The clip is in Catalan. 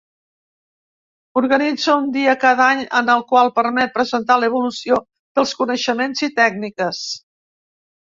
Organitza un dia cada any en el qual permet presentar l'evolució dels coneixements i tècniques.